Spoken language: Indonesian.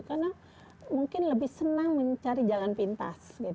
karena mungkin lebih senang mencari jalan pintas